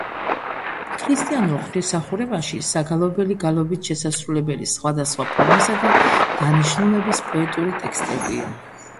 ქრისტიანულ ღვთისმსახურებაში საგალობელი გალობით შესასრულებელი სხვადასხვა ფორმისა და დანიშნულების პოეტური ტექსტებია.